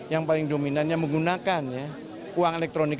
yang paling dominannya menggunakan uang elektronik